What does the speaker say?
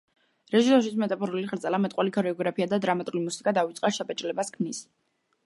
რეჟისორის მეტაფორული ხელწერა, მეტყველი ქორეოგრაფია და დრამატული მუსიკა, დაუვიწყარ შთაბეჭდილებას ქმნის.